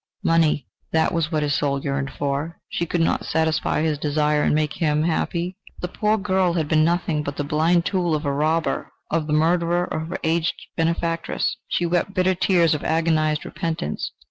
Money that was what his soul yearned for! She could not satisfy his desire and make him happy! The poor girl had been nothing but the blind tool of a robber, of the murderer of her aged benefactress!... She wept bitter tears of agonised repentance.